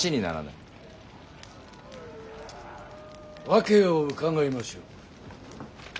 訳を伺いましょう。